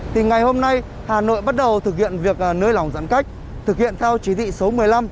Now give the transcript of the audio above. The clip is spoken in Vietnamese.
thì ngày hôm nay hà nội bắt đầu thực hiện việc nới lỏng giãn cách thực hiện theo chỉ thị số một mươi năm